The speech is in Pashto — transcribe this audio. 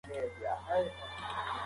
توماس د ماشومانو لپاره کیسې ولیکلې.